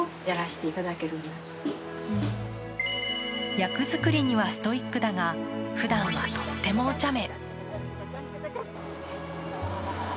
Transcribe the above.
役作りにはストイックだがふだんはとってもおちゃめ。